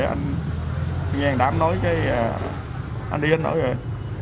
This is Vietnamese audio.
anh nghe thằng đám nói anh đi anh nói rồi